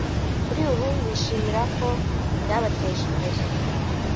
kuri ubu bishimira ko byabateje imbere